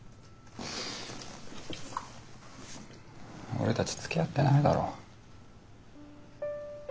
俺たちつきあってないだろ？